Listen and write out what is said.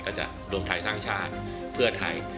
จะรวมไทยสร้างชาติเพื่อไทย